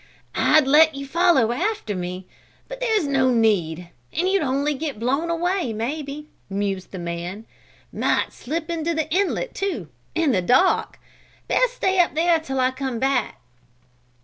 "I'd let you follow along after me, but there's no need, and you'd only get blown away, maybe," mused the man. "Might slip into the inlet, too, in the dark. Best stay up there until I come back."